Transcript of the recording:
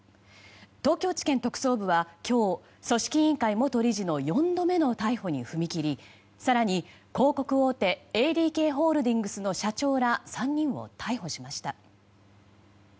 東京地検特捜部は、今日組織委員会元理事の４度目の逮捕に踏み切り更に、広告大手ＡＤＫホールディングスの社長ら３人を逮捕しました。